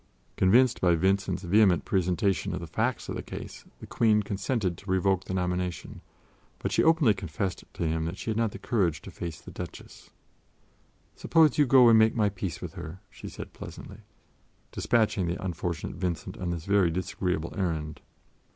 Convinced by Vincent's vehement presentation of the facts of the case, the Queen consented to revoke the nomination, but she openly confessed to him that she had not courage to face the Duchess. "Suppose you go and make my peace with her," she said pleasantly, despatching the unfortunate Vincent on this very disagreeable errand.